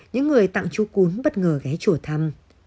những người tặng chú cún bất ngờ ghé chùa thăm